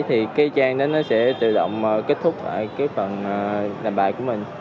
thì cái trang đó sẽ tự động kết thúc phần làm bài của mình